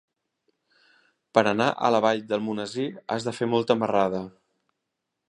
Per anar a la Vall d'Almonesir has de fer molta marrada.